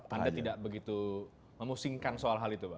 anda tidak begitu memusingkan soal hal itu pak